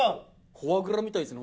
フォアグラみたいっすね